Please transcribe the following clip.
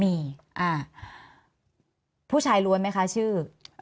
มีผู้ชายล้วนไหมคะชื่อ